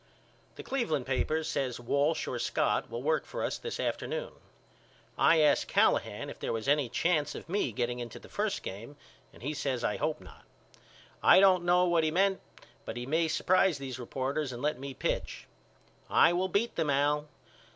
The Cleveland papers says Walsh or Scott will work for us this afternoon. I asked Callahan if there was any chance of me getting into the first game and he says I hope not. I don't know what he meant but he may surprise these reporters and let me pitch. I will beat them Al.